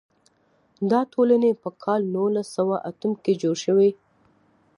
دا ټولنې په کال نولس سوه اتم کې جوړې شوې.